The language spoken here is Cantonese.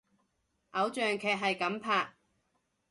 偶像劇係噉拍！